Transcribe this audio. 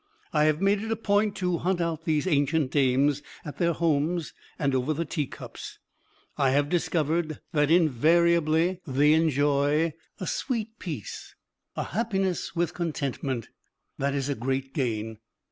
I have made it a point to hunt out these ancient dames at their homes, and, over the teacups, I have discovered that invariably they enjoy a sweet peace a happiness with contentment that is a great gain.